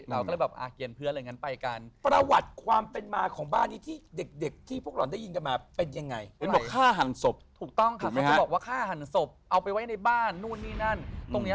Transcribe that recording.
เราก็เลยแบบอาเกียรติเพื่อนเลย